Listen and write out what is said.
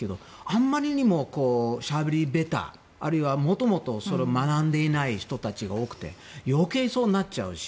あまりにもしゃべり下手あるいは元々、それを学んでいない人たちが多くて余計にそうなっちゃうし